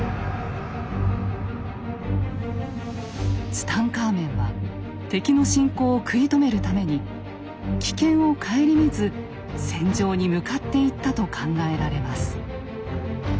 ツタンカーメンは敵の侵攻を食い止めるために危険を顧みず戦場に向かっていったと考えられます。